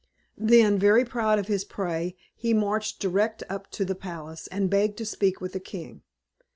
Then, very proud of his prey, he marched direct up to the palace, and begged to speak with the king.